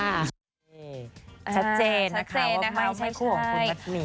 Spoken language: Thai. ชัดเจนนะคะว่าไม่ใช่ผู้ของคุณลักหนุนะครับ